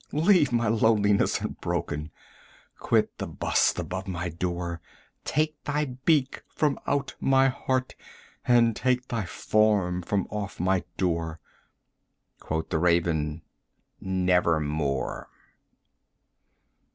Leave my loneliness unbroken! quit the bust above my door! 100 Take thy beak from out my heart, and take thy form from off my door!" Quoth the Raven, "Nevermore."